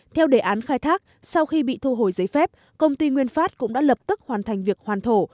theo đề án khai thác sau khi bị thu hồi giấy phép công ty nguyên phát cũng đã lập tức hoàn thành việc hoàn thổ